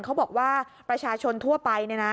เขาบอกว่าประชาชนทั่วไป